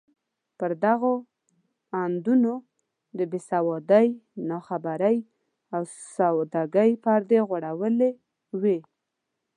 پر دغو اندونو د بې سوادۍ، ناخبرۍ او سادګۍ پردې غوړېدلې وې.